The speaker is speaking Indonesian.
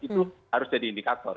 itu harus jadi indikator